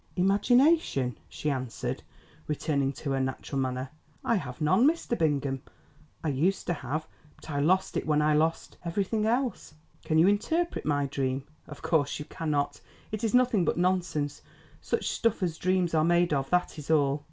"Imagination," she answered, returning to her natural manner. "I have none, Mr. Bingham. I used to have, but I lost it when I lost—everything else. Can you interpret my dream? Of course you cannot; it is nothing but nonsense—such stuff as dreams are made of, that is all."